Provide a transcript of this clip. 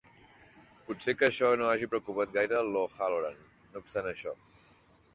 Pot ser que això no hagi preocupat gaire a O'Halloran, no obstant això.